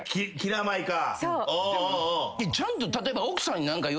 ちゃんと例えば。